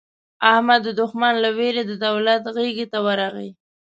احمد د دوښمن له وېرې د دولت غېږې ته ورغی.